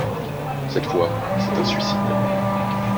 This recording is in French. Cette fois, c’est un suicide.